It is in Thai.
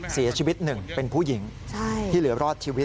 เสียชีวิตหนึ่งเป็นผู้หญิงที่เหลือรอดชีวิต